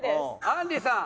あんりさん。